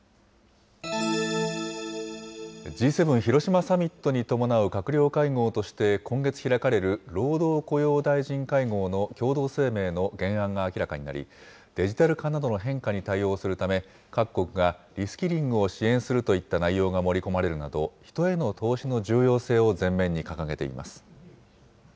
Ｇ７広島サミットに伴う閣僚会合として、今月開かれる労働雇用大臣会合の共同声明の原案が明らかになり、デジタル化などの変化に対応するため、各国がリスキリングを支援するといった内容が盛り込まれるなど、人への投資の重要性を前面に掲げています。